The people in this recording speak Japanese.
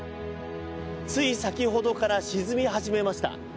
つい先ほどから沈み始めました。